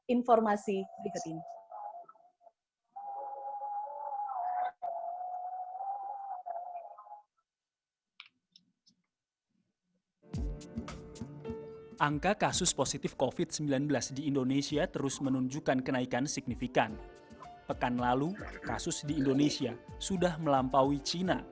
informasi berikut ini